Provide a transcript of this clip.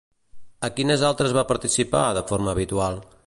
A quines altres va participar de forma habitual?